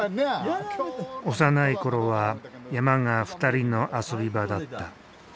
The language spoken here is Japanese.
幼いころは山が２人の遊び場だった。